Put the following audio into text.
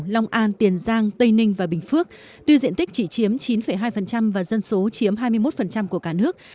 long an tiền giang tây ninh và bình phước tuy diện tích chỉ chiếm chín hai và dân số chiếm hai mươi một của cả nước